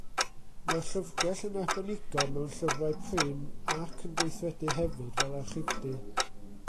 Mae'r llyfrgell yn arbenigo mewn llyfrau prin ac yn gweithredu hefyd fel archifdy.